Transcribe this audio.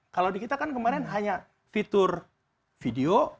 kalau di kita kan kemarin hanya fitur video